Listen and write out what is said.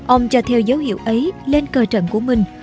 ông cho theo dấu hiệu ấy lên cờ trận của mình